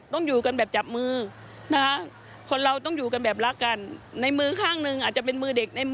ที่เด็กต้องการความดี